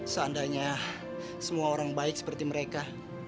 seandainya semua orang baik seperti mereka